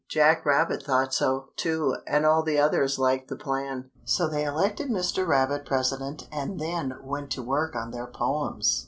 Jack Rabbit thought so, too, and all the others liked the plan. So they elected Mr. Rabbit president and then went to work on their poems.